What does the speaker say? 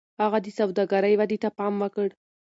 هغه د سوداګرۍ ودې ته پام وکړ.